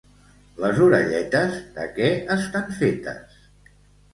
Les orelletes de què estan fetes?